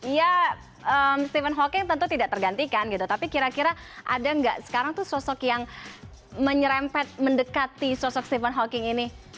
ya stephen hawking tentu tidak tergantikan gitu tapi kira kira ada nggak sekarang tuh sosok yang menyerempet mendekati sosok stephen hawking ini